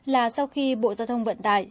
là sau khi bộ giao thông vận tải